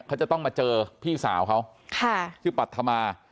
เขาจะต้องมาเจอพี่สาวเขาชื่อปัธมา